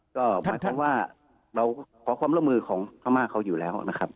ก็หมายความว่าเราขอความร่วมมือของพม่าเขาอยู่แล้วนะครับ